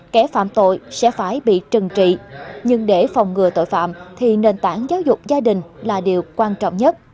kẻ phạm tội sẽ phải bị trừng trị nhưng để phòng ngừa tội phạm thì nền tảng giáo dục gia đình là điều quan trọng nhất